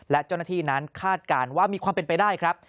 และเจ้าหน้าที่นั้นคาดการณ์ว่ามีความเป็นไปได้ครับ